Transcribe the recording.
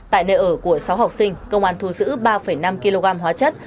tại nơi ở của sáu học sinh công an thu giữ ba năm kg hóa chất